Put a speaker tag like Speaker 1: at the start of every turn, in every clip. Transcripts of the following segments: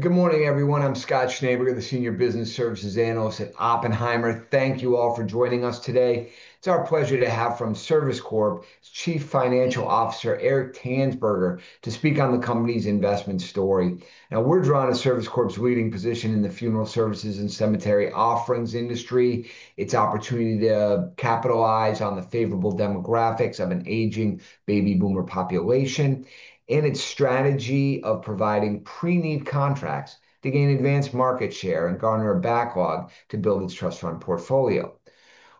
Speaker 1: Good morning, everyone. I'm Scott Schneeberger, the Senior Business Services Analyst at Oppenheimer. Thank you all for joining us today. It's our pleasure to have from Service Corp Chief Financial Officer Eric Tanzberger to speak on the company's investment story. Now, we're drawn to Service Corp's leading position in the funeral services and cemetery offerings industry, its opportunity to capitalize on the favorable demographics of an aging Baby Boomer population, and its strategy of providing Pre-need contracts to gain advanced market share and garner a backlog to build its Trust Fund portfolio.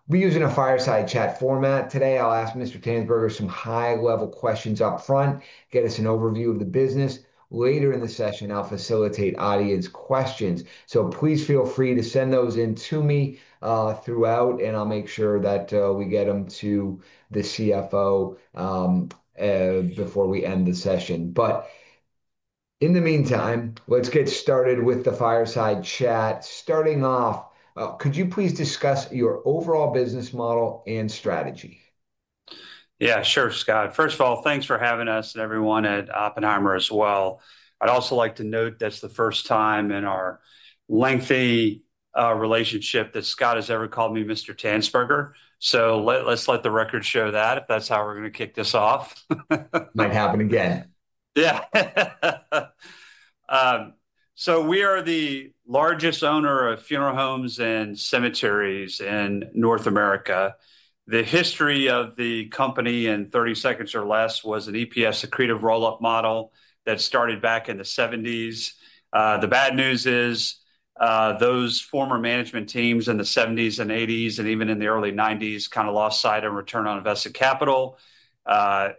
Speaker 1: We're using a fireside chat format today. I'll ask Mr. Tanzberger some high-level questions upfront, get us an overview of the business. Later in the session, I'll facilitate audience questions, so please feel free to send those in to me throughout, and I'll make sure that we get them to the CFO before we end the session. But in the meantime, let's get started with the fireside chat. Starting off, could you please discuss your overall business model and strategy?
Speaker 2: Yeah, sure, Scott. First of all, thanks for having us and everyone at Oppenheimer as well. I'd also like to note that's the first time in our lengthy relationship that Scott has ever called me Mr. Tanzberger. Let's let the record show that, if that's how we're going to kick this off.
Speaker 3: Might happen again.
Speaker 2: Yeah. We are the largest owner of funeral homes and cemeteries in North America. The history of the company, in 30 seconds or less, was an EPS accretive roll-up model that started back in the 1970s. The bad news is those former management teams in the 1970s and 1980s, and even in the early 1990s, kind of lost sight on return on invested capital,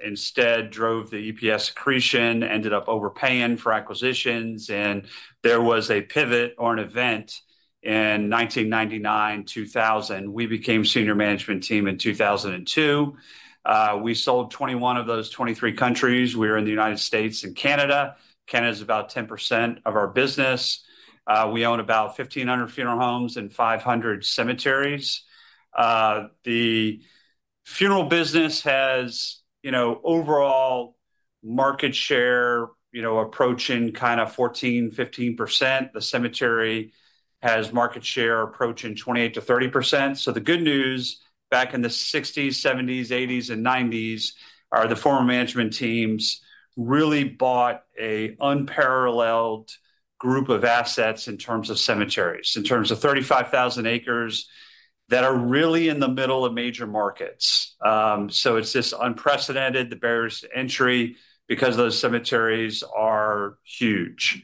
Speaker 2: instead drove the EPS accretion, ended up overpaying for acquisitions. There was a pivot or an event in 1999, 2000. We became a senior management team in 2002. We sold 21 of those 23 countries. We are in the United States and Canada. Canada is about 10% of our business. We own about 1,500 funeral homes and 500 cemeteries. The funeral business has, you know, overall market share, you know, approaching kind of 14%-15%. The cemetery has market share approaching 28%-30%. The good news back in the 1960s, 1970s, 1980s, and 1990s is the former management teams really bought an unparalleled group of assets in terms of cemeteries, in terms of 35,000 acres that are really in the middle of major markets. It is just unprecedented, the barriers to entry, because those cemeteries are huge.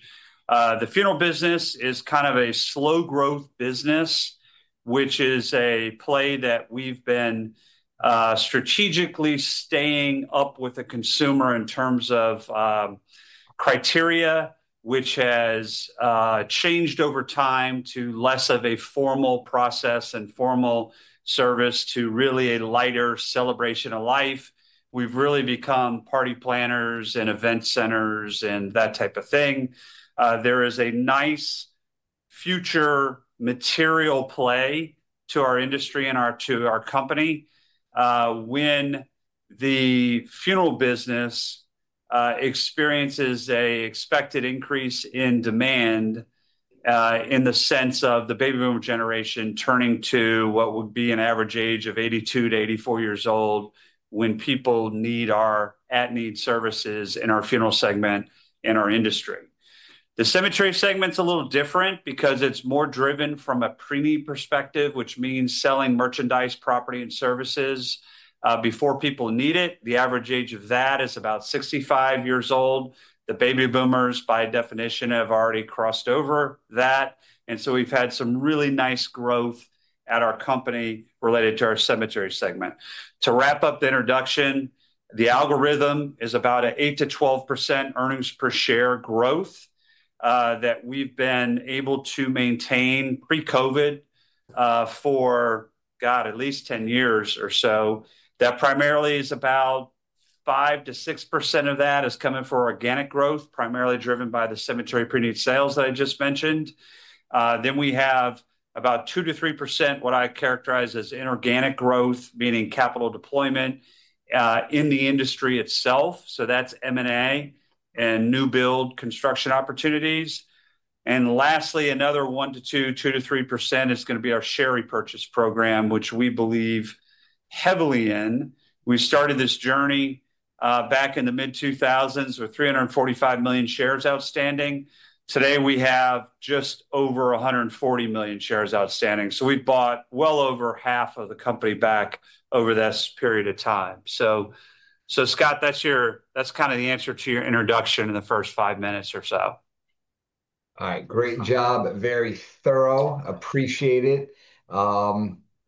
Speaker 2: The funeral business is kind of a slow-growth business, which is a play that we have been strategically staying up with the consumer in terms of criteria, which has changed over time to less of a formal process and formal service to really a lighter Celebration of life. We have really become party planners and event centers and that type of thing. There is a nice future material play to our industry and to our company when the funeral business experiences an expected increase in demand in the sense of the Baby Boomer generation turning to what would be an average age of 82 - 84 years old when people need our At-need services in our funeral segment in our industry. The cemetery segment's a little different because it's more driven from a pre-need perspective, which means selling merchandise, property, and services before people need it. The average age of that is about 65 years old. The Baby Boomers, by definition, have already crossed over that. We've had some really nice growth at our company related to our cemetery segment. To wrap up the introduction, the algorithm is about an 8%-12% earnings per share growth that we've been able to maintain pre-COVID for, at least 10 years or so. That primarily is about 5%-6% of that is coming from organic growth, primarily driven by the cemetery pre-need sales that I just mentioned. Then we have about 2%-3% what I characterize as inorganic growth, meaning capital deployment in the industry itself. That is M&A and new build construction opportunities. Lastly, another 1%-2%, 2%-3% is going to be our share repurchase program, which we believe heavily in. We started this journey back in the mid-2000s with 345 million shares outstanding. Today, we have just over 140 million shares outstanding. We have bought well over half of the company back over this period of time. Scott, that's kind of the answer to your introduction in the first five minutes or so.
Speaker 3: All right. Great job, very thorough, appreciate it.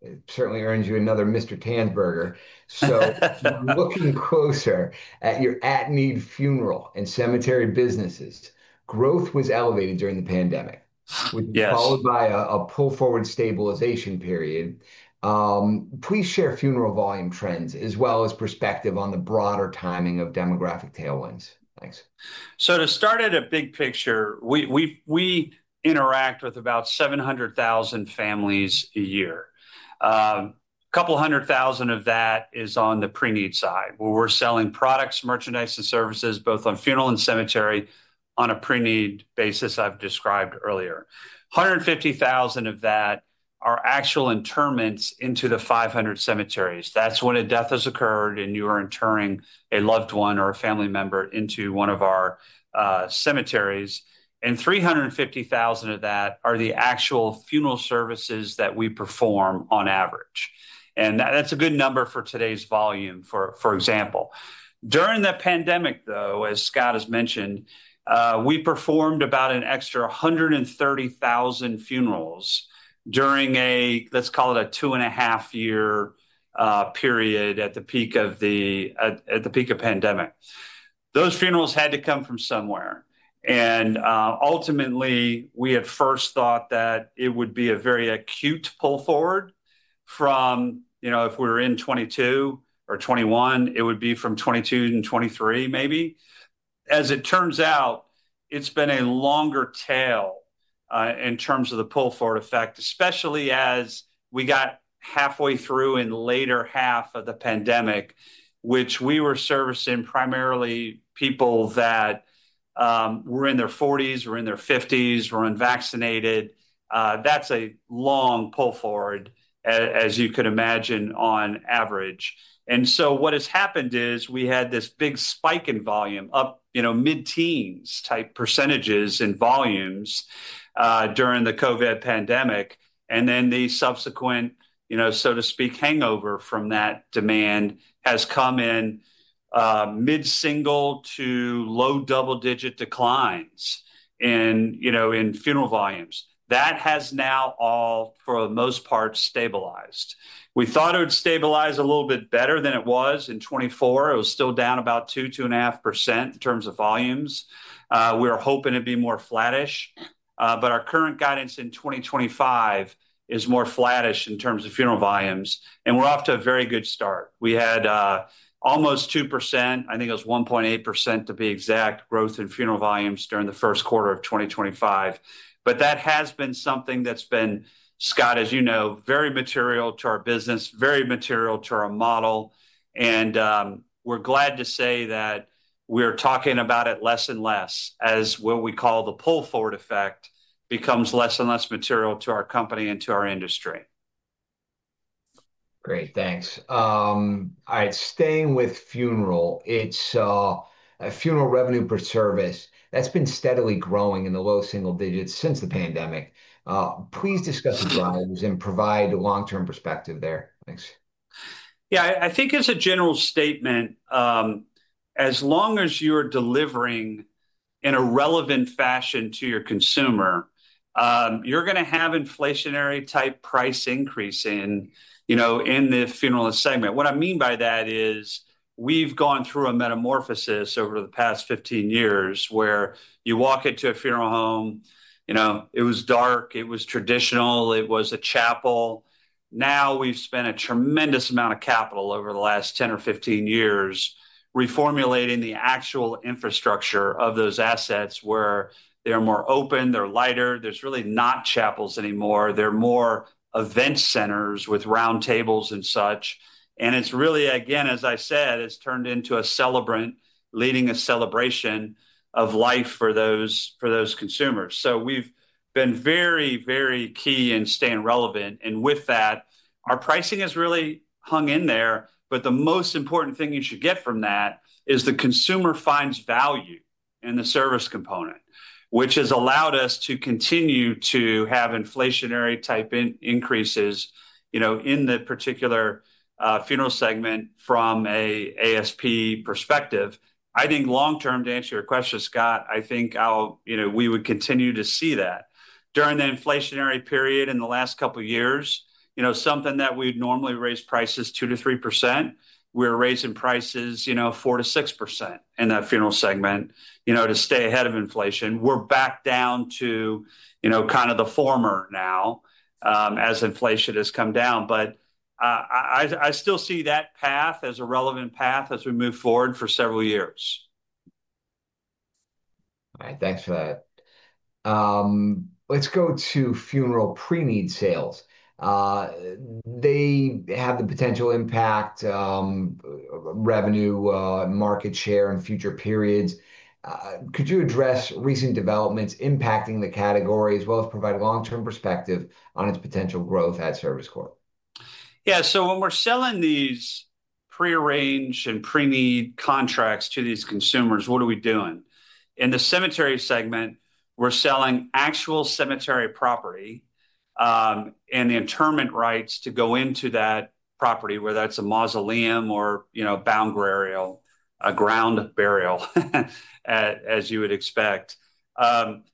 Speaker 3: It certainly earned you another, Mr. Tanzberger. So looking closer at your at-need funeral and cemetery businesses, growth was elevated during the pandemic, followed by a pull-forward stabilization period. Please share funeral volume trends as well as perspective on the broader timing of demographic tailwinds. Thanks. To start at a big picture, we interact with about 700,000 families a year. A couple hundred thousand of that is on the pre-need side, where we're selling products, merchandise, and services both on funeral and cemetery on a pre-need basis I've described earlier. 150,000 of that are actual interments into the 500 cemeteries. That's when a death has occurred and you are interring a loved one or a family member into one of our cemeteries. 350,000 of that are the actual funeral services that we perform on average. That's a good number for today's volume, for example. During the pandemic, though, as Scott has mentioned, we performed about an extra 130,000 funerals during a, let's call it a two-and-a-half-year period at the peak of the pandemic. Those funerals had to come from somewhere. Ultimately, we at first thought that it would be a very acute pull-forward from, you know, if we were in 2022 or 2021, it would be from 2022 and 2023, maybe. As it turns out, it has been a longer tail in terms of the Pull-forward effect, especially as we got halfway through and later half of the pandemic, which we were servicing primarily people that were in their 40s, were in their 50s, were unvaccinated. That is a long pull-forward, as you could imagine, on average. What has happened is we had this big spike in volume up, you know, mid-teens-type percentages in volumes during the COVID pandemic. The subsequent, you know, so to speak, hangover from that demand has come in mid-single to low double-digit declines in, you know, in funeral volumes. That has now all, for the most part, stabilized. We thought it would stabilize a little bit better than it was in 2024. It was still down about 2%-2.5% in terms of volumes. We were hoping it'd be more flattish. Our current guidance in 2025 is more flattish in terms of funeral volumes. We're off to a very good start. We had almost 2%, I think it was 1.8% to be exact, growth in funeral volumes during the first quarter of 2025. That has been something that's been, Scott, as you know, very material to our business, very material to our model. We're glad to say that we're talking about it less and less as what we call the Pull-forward effect becomes less and less material to our company and to our industry.
Speaker 1: Great. Thanks. Starting with funeral, it's a funeral revenue per service. That's been steadily growing in the low single digits since the pandemic. Please discuss the drivers and provide a long-term perspective there. Thanks. Yeah, I think it's a general statement. As long as you're delivering in a relevant fashion to your consumer, you're going to have inflationary-type price increasing, you know, in the funeral segment. What I mean by that is we've gone through a metamorphosis over the past 15 years where you walk into a funeral home, you know, it was dark, it was traditional, it was a chapel. Now we've spent a tremendous amount of capital over the last 10 or 15 years reformulating the actual infrastructure of those assets where they're more open, they're lighter. There's really not chapels anymore. They're more event centers with round tables and such. It's really, again, as I said, it's turned into a celebrant, leading a Celebration of life for those consumers. We've been very, very key in staying relevant. With that, our pricing has really hung in there. The most important thing you should get from that is the consumer finds value in the service component, which has allowed us to continue to have inflationary-type increases, you know, in the particular funeral segment from an ASP perspective. I think long-term, to answer your question, Scott, I think I'll, you know, we would continue to see that. During the inflationary period in the last couple of years, you know, something that we'd normally raise prices 2%-3%, we're raising prices, you know, 4%-6% in that funeral segment, you know, to stay ahead of inflation. We're back down to, you know, kind of the former now as inflation has come down. I still see that path as a relevant path as we move forward for several years. All right. Thanks for that. Let's go to funeral pre-need sales. They have the potential impact, revenue, market share in future periods. Could you address recent developments impacting the category as well as provide a long-term perspective on its potential growth at Service Corp?
Speaker 2: Yeah. When we're selling these pre-arranged and Pre-need contracts to these consumers, what are we doing? In the cemetery segment, we're selling actual cemetery property and the Interment rights to go into that property, whether that's a Mausoleum or, you know, a ground burial, as you would expect.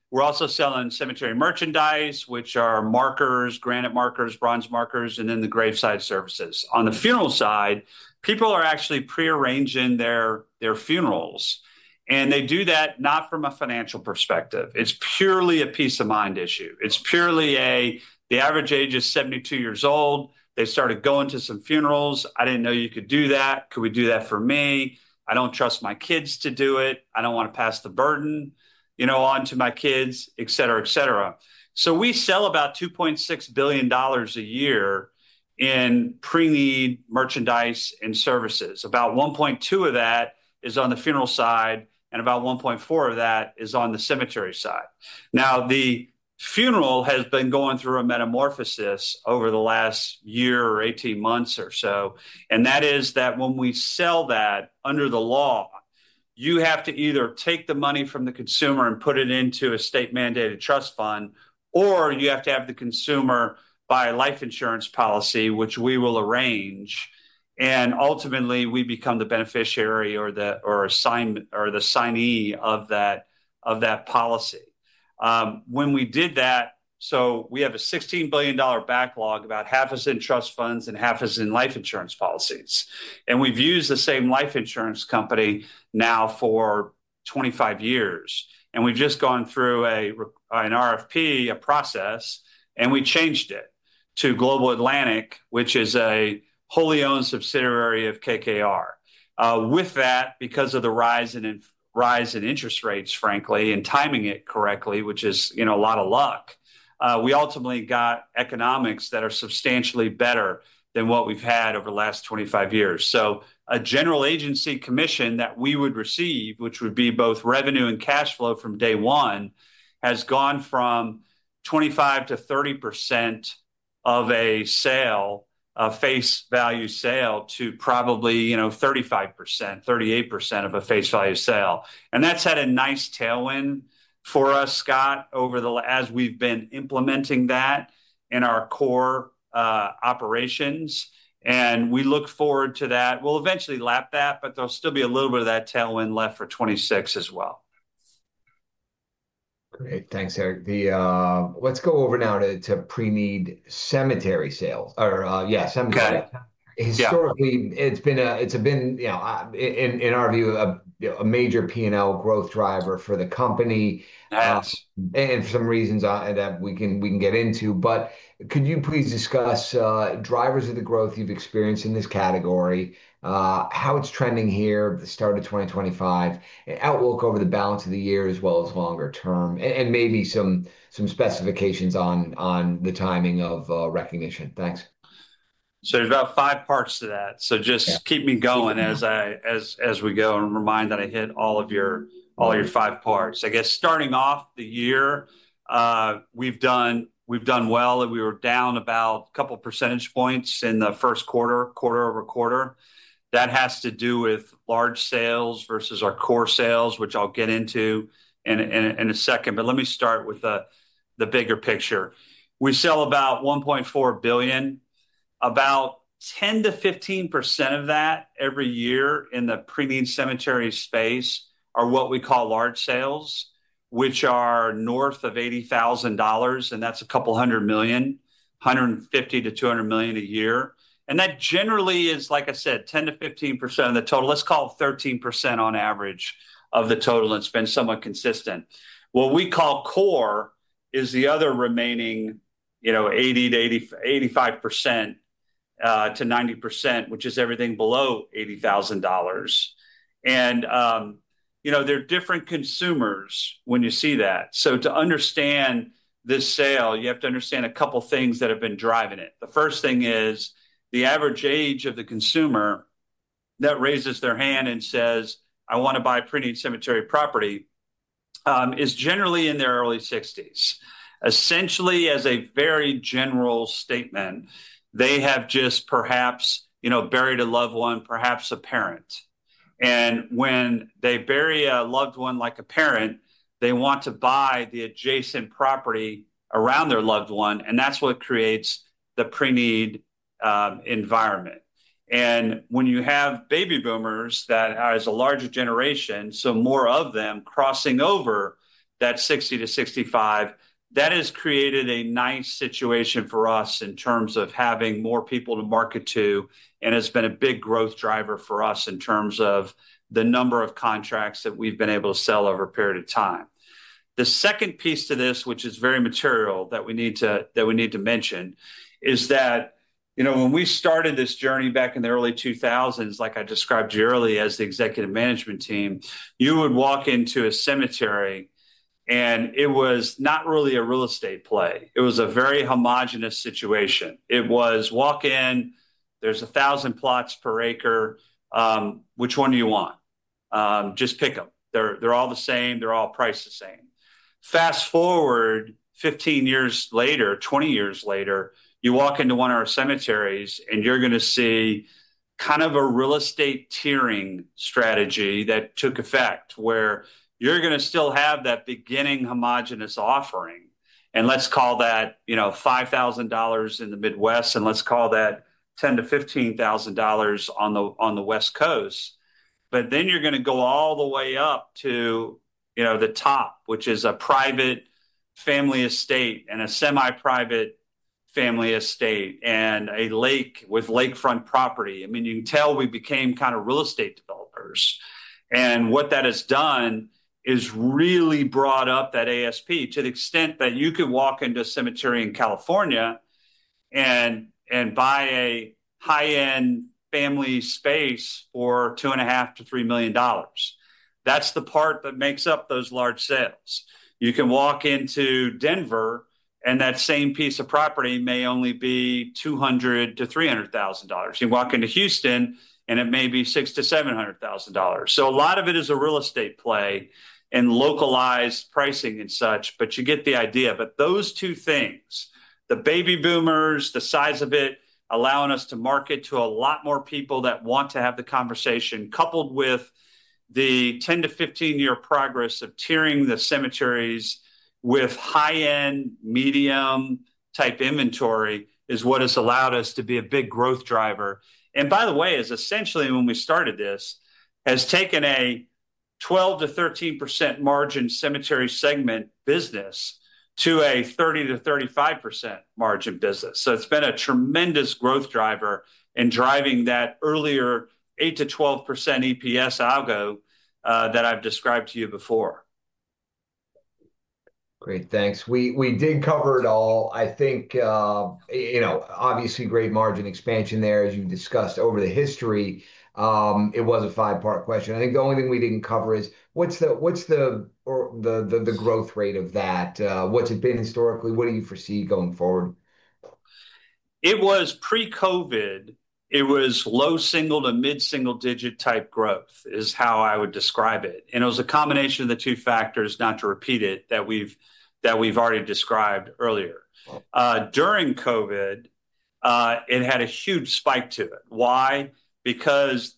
Speaker 2: We're also selling cemetery merchandise, which are markers, Granite markers, Bronze markers, and then the Graveside services. On the funeral side, people are actually pre-arranging their funerals. They do that not from a financial perspective. It's purely a peace of mind issue. It's purely a, the average age is 72 years old. They started going to some funerals. I didn't know you could do that. Could we do that for me? I don't trust my kids to do it. I don't want to pass the burden, you know, on to my kids, et cetera, et cetera. We sell about $2.6 billion a year in pre-need merchandise and services. About $1.2 billion of that is on the funeral side and about $1.4 billion of that is on the cemetery side. The funeral has been going through a metamorphosis over the last year or 18 months or so. That is that when we sell that under the law, you have to either take the money from the consumer and put it into a state-mandated Trust fund, or you have to have the consumer buy a Life insurance policy, which we will arrange. Ultimately, we become the beneficiary or the signee of that policy. When we did that, we have a $16 billion backlog, about half is in trust funds and half is in life insurance policies. We have used the same life insurance company now for 25 years. We have just gone through an RFP process, and we changed it to Global Atlantic, which is a wholly owned subsidiary of KKR. With that, because of the rise in interest rates, frankly, and timing it correctly, which is, you know, a lot of luck, we ultimately got economics that are substantially better than what we have had over the last 25 years. A General agency commission that we would receive, which would be both revenue and cash flow from day one, has gone from 25% - 30% of a sale, a face value sale, to probably, you know, 35%-38% of a face value sale. That has had a nice tailwind for us, Scott, as we have been implementing that in our core operations. We look forward to that. We'll eventually lap that, but there'll still be a little bit of that tailwind left for 2026 as well.
Speaker 3: Great. Thanks, Eric. Let's go over now to pre-need cemetery sales. Or yeah, cemetery.
Speaker 2: Got it.
Speaker 1: Historically, it's been, you know, in our view, a major P&L growth driver for the company.
Speaker 2: Nice.
Speaker 1: For some reasons that we can get into. Could you please discuss drivers of the growth you've experienced in this category, how it's trending here, the start of 2025, an outlook over the balance of the year as well as longer term, and maybe some specifications on the timing of recognition? Thanks.
Speaker 2: There are about five parts to that. Just keep me going as we go and remind me that I hit all of your five parts. I guess starting off the year, we've done well. We were down about a couple percentage points in the first quarter, quarter over quarter. That has to do with large sales versus our core sales, which I'll get into in a second. Let me start with the bigger picture. We sell about $1.4 billion. About 10%-15% of that every year in the pre-need cemetery space are what we call large sales, which are north of $80,000. That is a couple of $100 million, $150 million-$200 million a year. That generally is, like I said, 10%-15% of the total. Let's call it 13% on average of the total. It's been somewhat consistent. What we call core is the other remaining, you know, 80%-85%-90%, which is everything below $80,000. You know, there are different consumers when you see that. To understand this sale, you have to understand a couple things that have been driving it. The first thing is the average age of the consumer that raises their hand and says, "I want to buy pre-need cemetery property," is generally in their early 60s. Essentially, as a very general statement, they have just perhaps, you know, buried a loved one, perhaps a parent. When they bury a loved one like a parent, they want to buy the adjacent property around their loved one. That is what creates the pre-need environment. When you have Baby Boomers that are a larger generation, so more of them crossing over that 60 to 65, that has created a nice situation for us in terms of having more people to market to. It has been a big growth driver for us in terms of the number of contracts that we have been able to sell over a period of time. The second piece to this, which is very material that we need to mention, is that, you know, when we started this journey back in the early 2000s, like I described to you earlier as the executive management team, you would walk into a cemetery and it was not really a real estate play. It was a very homogenous situation. It was walk in, there are 1,000 plots per acre. Which one do you want? Just pick them. They are all the same. They are all priced the same. Fast forward 15 years later, 20 years later, you walk into one of our cemeteries and you're going to see kind of a real estate tiering strategy that took effect where you're going to still have that beginning homogenous offering. Let's call that, you know, $5,000 in the Midwest and let's call that $10,000-$15,000 on the West Coast. You are going to go all the way up to, you know, the top, which is a private family estate and a semi-private family estate and a lake with property. I mean, you can tell we became kind of real estate developers. What that has done is really brought up that ASP to the extent that you could walk into a cemetery in California and buy a high-end family space for $2.5 million-$3 million. That's the part that makes up those large sales. You can walk into Denver and that same piece of property may only be $200,000-$300,000. You can walk into Houston and it may be $600,000-$700,000. A lot of it is a real estate play and localized pricing and such, but you get the idea. Those two things, the baby boomers, the size of it, allowing us to market to a lot more people that want to have the conversation, coupled with the 10-15 year progress of tiering the cemeteries with high-end medium-type inventory is what has allowed us to be a big growth driver. By the way, essentially when we started this, has taken a 12%-13% margin cemetery segment business to a 30%-35% margin business. It has been a tremendous growth driver in driving that earlier 8%-12% EPS algo that I've described to you before.
Speaker 1: Great. Thanks. We did cover it all. I think, you know, obviously great margin expansion there, as you discussed over the history. It was a five-part question. I think the only thing we didn't cover is what's the growth rate of that? What's it been historically? What do you foresee going forward?
Speaker 2: It was pre-COVID, it was low single to mid-single digit type growth is how I would describe it. It was a combination of the two factors, not to repeat it, that we've already described earlier. During COVID, it had a huge spike to it. Why? Because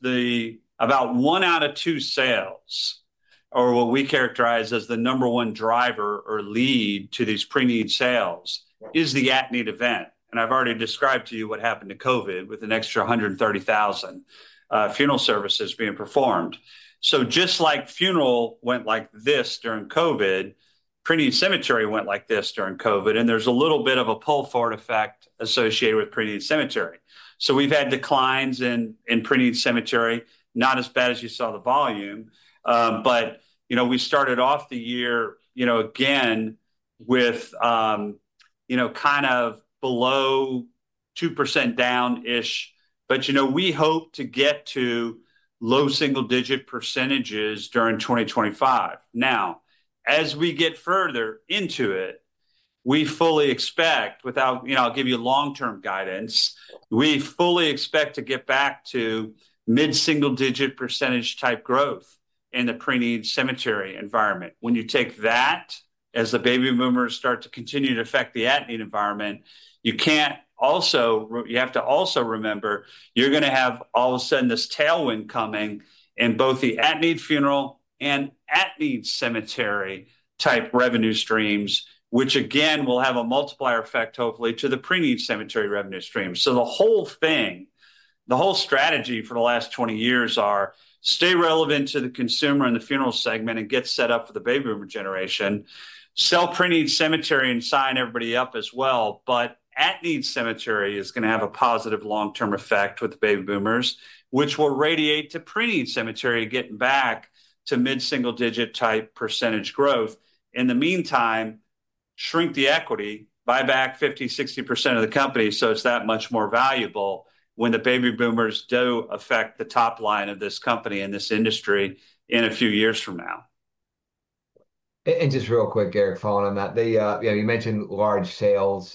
Speaker 2: about one out of two sales, or what we characterize as the number one driver or lead to these pre-need sales, is the at-need event. I've already described to you what happened to COVID with an extra 130,000 funeral services being performed. Just like funeral went like this during COVID, pre-need cemetery went like this during COVID. There is a little bit of a pull forward effect associated with pre-need cemetery. We've had declines in pre-need cemetery, not as bad as you saw the volume. You know, we started off the year, you know, again with, you know, kind of below 2% down-ish. You know, we hope to get to low single digit % during 2025. Now, as we get further into it, we fully expect, without, you know, I'll give you long-term guidance, we fully expect to get back to mid-single digit % type growth in the pre-need cemetery environment. When you take that as the baby boomers start to continue to affect the at-need environment, you can't also, you have to also remember, you're going to have all of a sudden this tailwind coming in both the at-need funeral and at-need cemetery type revenue streams, which again will have a multiplier effect hopefully to the pre-need cemetery revenue streams. The whole thing, the whole strategy for the last 20 years are stay relevant to the consumer in the funeral segment and get set up for the baby boomer generation. Sell pre-need cemetery and sign everybody up as well. At-need cemetery is going to have a positive long-term effect with the baby boomers, which will radiate to pre-need cemetery getting back to mid-single digit type percent growth. In the meantime, shrink the equity, buy back 50%-60% of the company so it's that much more valuable when the baby boomers do affect the top line of this company and this industry in a few years from now.
Speaker 1: Just real quick, Eric, following on that, you mentioned large sales,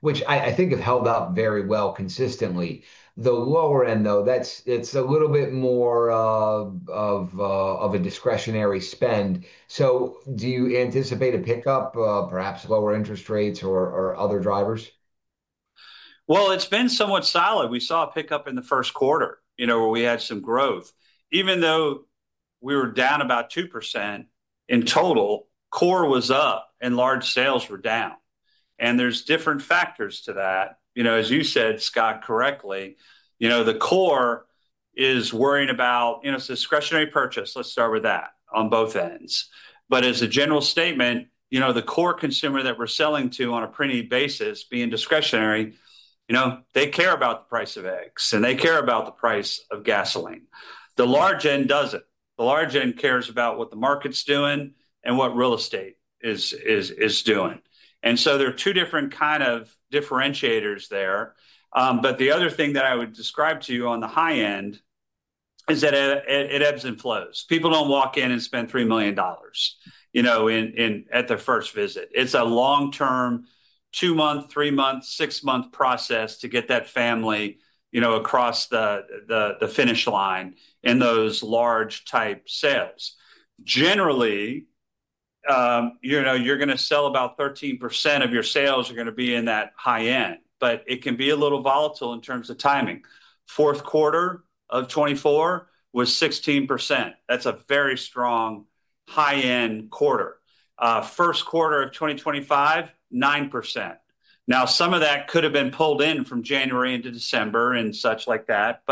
Speaker 1: which I think have held up very well consistently. The lower end, though, that's a little bit more of a discretionary spend. Do you anticipate a pickup, perhaps lower interest rates or other drivers?
Speaker 2: It has been somewhat solid. We saw a pickup in the first quarter, you know, where we had some growth. Even though we were down about 2% in total, core was up and large sales were down. There are different factors to that. You know, as you said, Scott, correctly, you know, the core is worrying about, you know, it is a discretionary purchase. Let's start with that on both ends. As a general statement, you know, the core consumer that we are selling to on a pre-need basis being discretionary, you know, they care about the price of eggs and they care about the price of gasoline. The large end does not. The large end cares about what the market is doing and what real estate is doing. There are two different kind of differentiators there. The other thing that I would describe to you on the high end is that it ebbs and flows. People do not walk in and spend $3 million, you know, at their first visit. It is a long-term, two-month, three-month, six-month process to get that family, you know, across the finish line in those large-type sales. Generally, you know, about 13% of your sales are going to be in that high end. But it can be a little volatile in terms of timing. Fourth quarter of 2024 was 16%. That is a very strong high-end quarter. First quarter of 2025, 9%. Now, some of that could have been pulled in from January into December and such like that.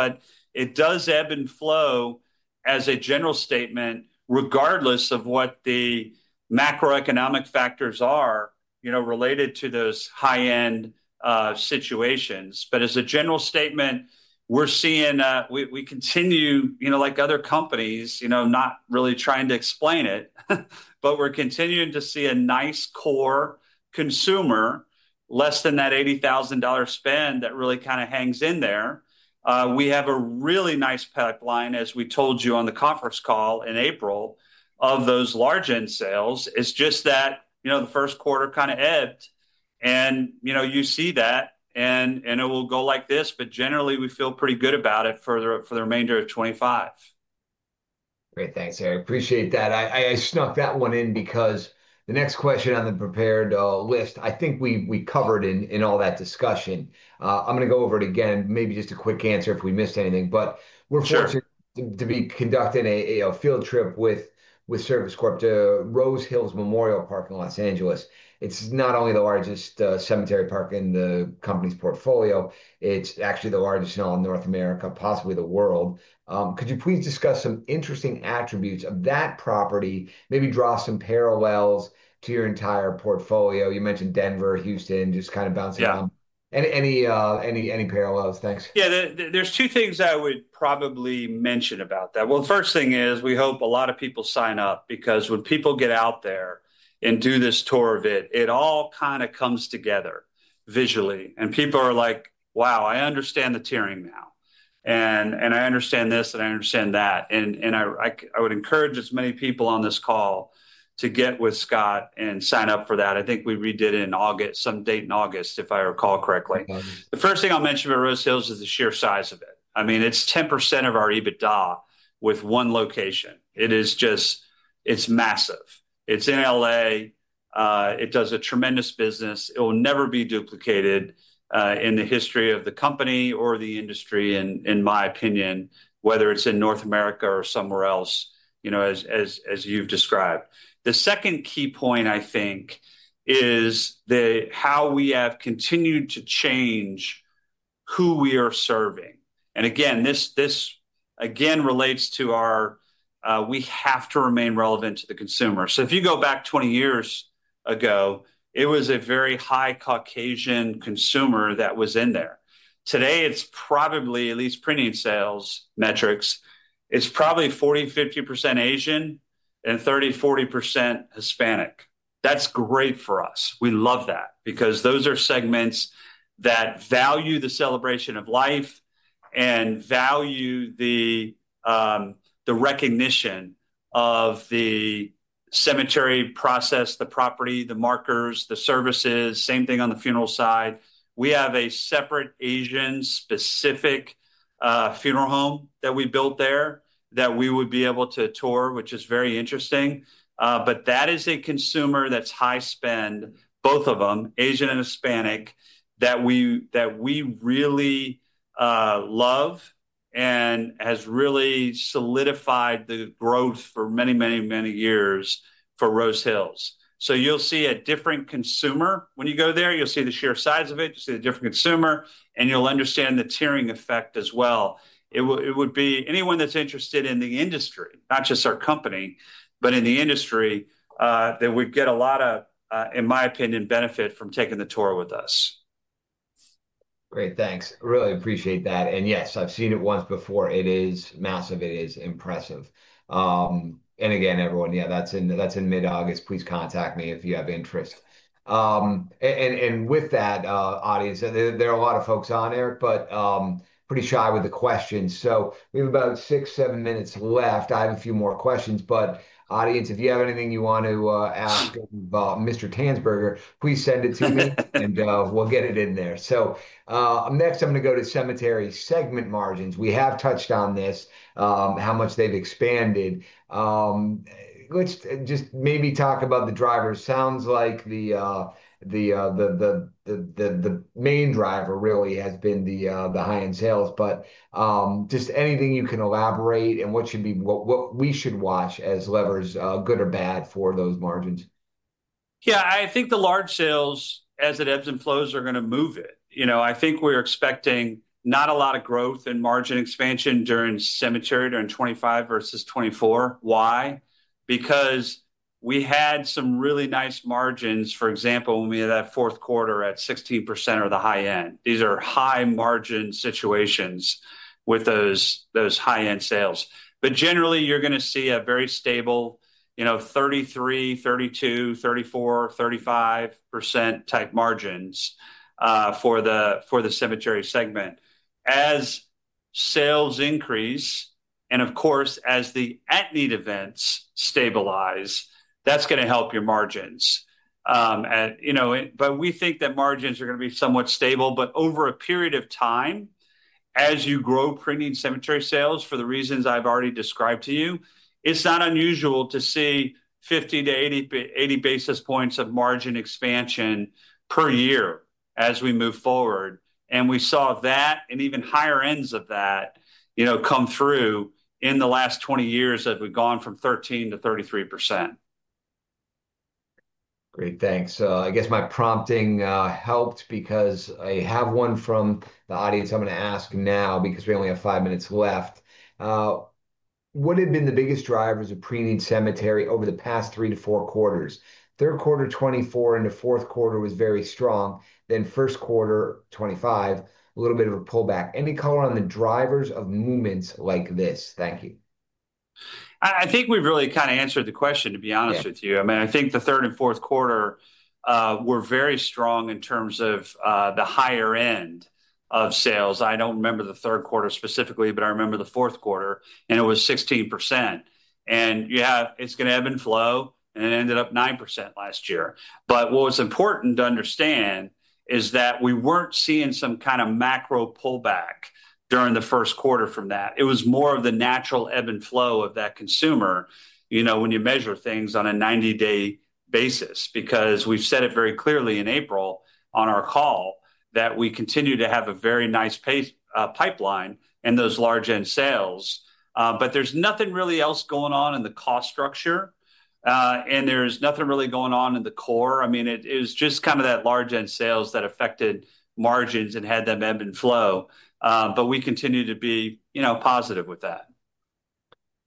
Speaker 2: It does ebb and flow as a general statement regardless of what the macroeconomic factors are, you know, related to those high-end situations. As a general statement, we're seeing we continue, you know, like other companies, you know, not really trying to explain it, but we're continuing to see a nice core consumer, less than that $80,000 spend that really kind of hangs in there. We have a really nice pipeline, as we told you on the conference call in April, of those large-end sales. It's just that, you know, the first quarter kind of ebbed and, you know, you see that and it will go like this. Generally, we feel pretty good about it for the remainder of 2025.
Speaker 1: Great. Thanks, Eric. Appreciate that. I snuck that one in because the next question on the prepared list, I think we covered in all that discussion. I'm going to go over it again, maybe just a quick answer if we missed anything. We are fortunate to be conducting a field trip with Service Corp to Rose Hills Memorial Park in Los Angeles. It's not only the largest cemetery park in the company's portfolio. It's actually the largest in all of North America, possibly the world. Could you please discuss some interesting attributes of that property, maybe draw some parallels to your entire portfolio? You mentioned Denver, Houston, just kind of bouncing around. Any parallels? Thanks.
Speaker 2: Yeah. There are two things I would probably mention about that. The first thing is we hope a lot of people sign up because when people get out there and do this tour of it, it all kind of comes together visually. People are like, "Wow, I understand the tiering now. I understand this and I understand that." I would encourage as many people on this call to get with Scott and sign up for that. I think we redid it in August, some date in August, if I recall correctly. The first thing I'll mention about Rose Hills is the sheer size of it. I mean, it's 10% of our EBITDA with one location. It is just, it's massive. It's in L.A. It does a tremendous business. It will never be duplicated in the history of the company or the industry, in my opinion, whether it's in North America or somewhere else, you know, as you've described. The second key point, I think, is how we have continued to change who we are serving. This again relates to our we have to remain relevant to the consumer. If you go back 20 years ago, it was a very high Caucasian consumer that was in there. Today, it's probably, at least pre-need sales metrics, it's probably 40%-50% Asian and 30%-40% Hispanic. That's great for us. We love that because those are segments that value the Celebration of life and value the recognition of the cemetery process, the property, the markers, the services, same thing on the funeral side. We have a separate Asian-specific funeral home that we built there that we would be able to tour, which is very interesting. That is a consumer that is high spend, both of them, Asian and Hispanic, that we really love and has really solidified the growth for many, many, many years for Rose Hills. You will see a different consumer when you go there. You will see the sheer size of it. You will see a different consumer and you will understand the tiering effect as well. It would be anyone that is interested in the industry, not just our company, but in the industry that would get a lot of, in my opinion, benefit from taking the tour with us.
Speaker 1: Great. Thanks. Really appreciate that. Yes, I've seen it once before. It is massive. It is impressive. Again, everyone, yeah, that's in mid-August. Please contact me if you have interest. With that, audience, there are a lot of folks on, Eric, but pretty shy with the questions. We have about six, seven minutes left. I have a few more questions. Audience, if you have anything you want to ask of Mr. Tanzberger, please send it to me and we'll get it in there. Next, I'm going to go to cemetery segment margins. We have touched on this, how much they've expanded. Let's just maybe talk about the drivers. Sounds like the main driver really has been the high-end sales. Just anything you can elaborate and what should be what we should watch as levers, good or bad, for those margins?
Speaker 2: Yeah. I think the large sales, as it ebbs and flows, are going to move it. You know, I think we're expecting not a lot of growth in margin expansion during cemetery during 2025 vs. 2024. Why? Because we had some really nice margins, for example, when we had that fourth quarter at 16% or the high end. These are high margin situations with those high-end sales. Generally, you're going to see a very stable, you know, 33%, 32%, 34%, 35% type margins for the cemetery segment. As sales increase and, of course, as the at-need events stabilize, that's going to help your margins. You know, we think that margins are going to be somewhat stable. Over a period of time, as you grow pre-need cemetery sales for the reasons I've already described to you, it's not unusual to see 50-80 basis points of margin expansion per year as we move forward. You know, we saw that and even higher ends of that come through in the last 20 years as we've gone from 13% to 33%.
Speaker 1: Great. Thanks. I guess my prompting helped because I have one from the audience I'm going to ask now because we only have five minutes left. What have been the biggest drivers of pre-need cemetery over the past three to four quarters? Third quarter 2024 into fourth quarter was very strong. Then first quarter 2025, a little bit of a pullback. Any color on the drivers of movements like this? Thank you.
Speaker 2: I think we've really kind of answered the question, to be honest with you. I mean, I think the third and fourth quarter were very strong in terms of the higher end of sales. I don't remember the third quarter specifically, but I remember the fourth quarter and it was 16%. Yeah, it's going to ebb and flow and it ended up 9% last year. What was important to understand is that we weren't seeing some kind of macro pullback during the first quarter from that. It was more of the natural ebb and flow of that consumer, you know, when you measure things on a 90-day basis because we've said it very clearly in April on our call that we continue to have a very nice pipeline in those large-end sales. There's nothing really else going on in the cost structure. There is nothing really going on in the core. I mean, it was just kind of that large-end sales that affected margins and had them ebb and flow. We continue to be, you know, positive with that.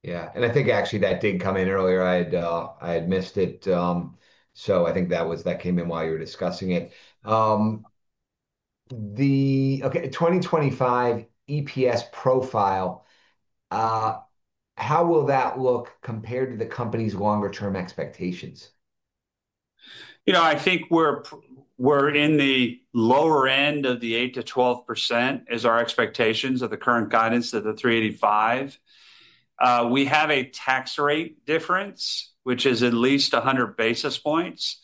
Speaker 1: Yeah. I think actually that did come in earlier. I had missed it. I think that came in while you were discussing it. The, okay, 2025 EPS profile, how will that look compared to the company's longer-term expectations?
Speaker 2: You know, I think we're in the lower end of the 8-12% is our expectations of the current guidance of the $385. We have a tax rate difference, which is at least 100 basis points.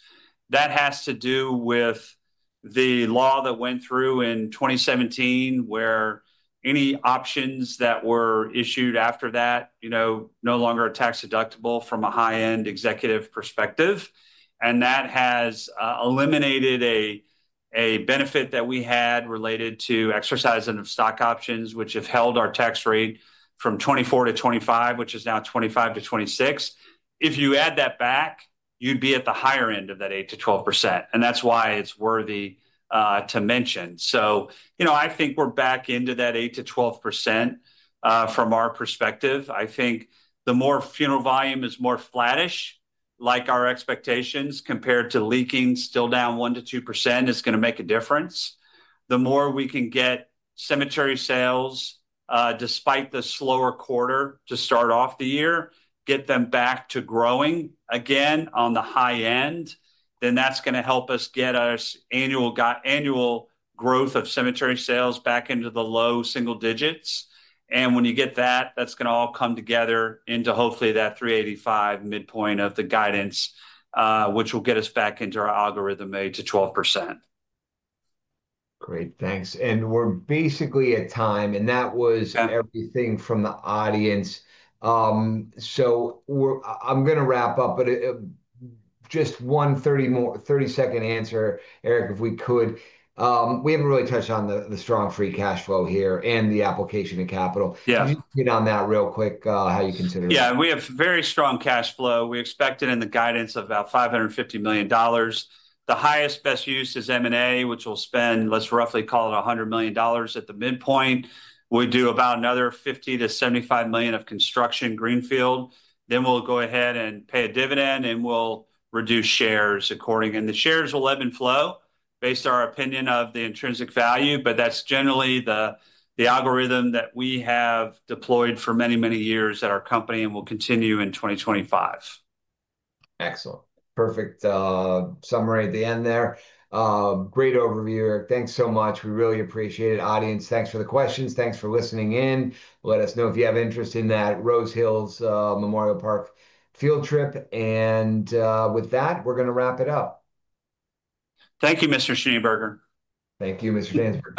Speaker 2: That has to do with the law that went through in 2017 where any options that were issued after that, you know, no longer are tax deductible from a high-end executive perspective. That has eliminated a benefit that we had related to exercising of Stock Options, which have held our tax rate from 2024 to 2025, which is now 2025 - 2026. If you add that back, you'd be at the higher end of that 8-12%. That's why it's worthy to mention. You know, I think we're back into that 8-12% from our perspective. I think the more funeral volume is more flattish, like our expectations compared to leaking still down 1-2% is going to make a difference. The more we can get cemetery sales despite the slower quarter to start off the year, get them back to growing again on the high end, that's going to help us get us annual growth of cemetery sales back into the low single digits. When you get that, that's going to all come together into hopefully that $385 midpoint of the guidance, which will get us back into our algorithm 8-12%.
Speaker 1: Great. Thanks. We're basically at time. That was everything from the audience. I'm going to wrap up, but just one 30-seconds answer, Eric, if we could. We haven't really touched on the strong free cash flow here and the application of capital. Can you hit on that real quick, how you consider?
Speaker 2: Yeah. We have very strong cash flow. We expect it in the guidance of about $550 million. The highest best use is M&A, which will spend, let's roughly call it $100 million at the midpoint. We do about another $50 million-$75 million of construction, greenfield. We go ahead and pay a dividend and we will reduce shares accordingly. The shares will ebb and flow based on our opinion of the intrinsic value. That is generally the algorithm that we have deployed for many, many years at our company and will continue in 2025.
Speaker 1: Excellent. Perfect summary at the end there. Great overview, Eric. Thanks so much. We really appreciate it, audience. Thanks for the questions. Thanks for listening in. Let us know if you have interest in that Rose Hills Memorial Park field trip. With that, we're going to wrap it up.
Speaker 2: Thank you, Mr. Schneeberger.
Speaker 3: Thank you, Mr. Tanzberger.